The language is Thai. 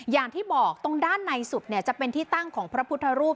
อย่างที่บอกตรงด้านในสุดจะเป็นที่ตั้งของพระพุทธรูป